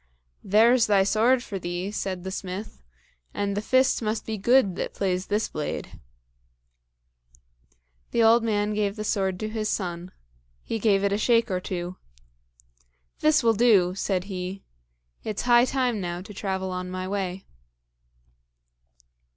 "There's thy sword for thee," said the smith, "and the fist must be good that plays this blade." The old man gave the sword to his son; he gave it a shake or two. "This will do," said he; "it's high time now to travel on my way."